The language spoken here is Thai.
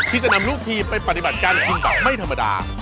ที่จะนำลูกทีมไปปฏิบัติการกินแบบไม่ธรรมดา